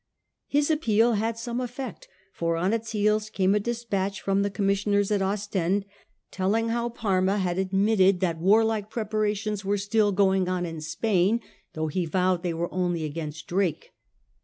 His appeal had some effect, for on its heels came a despatch from the commissioners at Ostend, telling how Parma had admitted that warlike preparations were still going on in Spain, though he vowed they were only against Drake.